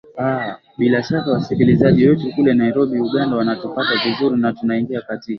aa bila shaka wasikilizaji wetu kule nairobi uganda wanatupata vizuri na tunaingia katika